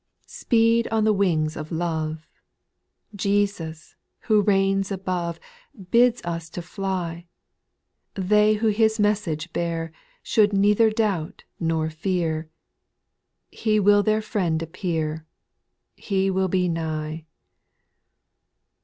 8. Speed on the wings of love ; Jesus, who reigns above. Bids us to fly : They who His message bear, Should neither doubt nor fear; He will their friend appear. He will be nigh.